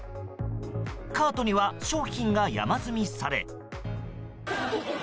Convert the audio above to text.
カートには商品が山積みされ。